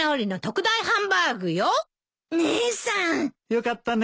よかったね